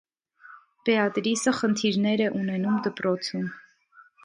Բեատրիսը խնդիրներ է ունենում դպրոցում։